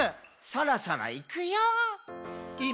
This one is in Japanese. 「そろそろいくよー」